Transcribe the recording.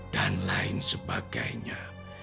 dan lain sebagainya